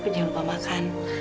tapi jangan lupa makan